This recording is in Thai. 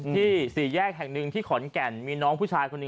สี่แยกแห่งหนึ่งที่ขอนแก่นมีน้องผู้ชายคนหนึ่ง